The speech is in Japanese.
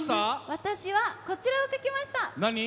私はこちらを書きました。